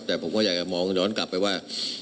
แต่ผมก็อยากจะมองย้อนกลับไปว่า